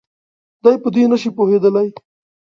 دی په دې نه شي پوهېدلی.